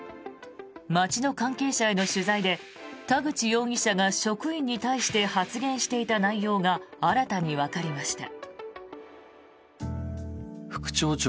町の関係者への取材で田口容疑者が職員に対して発言していた内容が新たにわかりました。